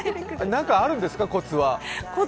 何かあるんですか、コツは？